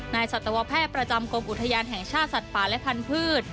สัตวแพทย์ประจำกรมอุทยานแห่งชาติสัตว์ป่าและพันธุ์